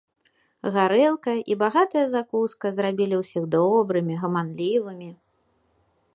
Гарэлка і багатая закуска зрабілі ўсіх добрымі, гаманлівымі.